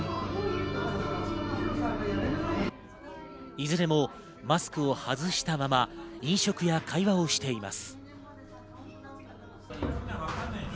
いずれも、マスクを外したまま飲食や会話をしています。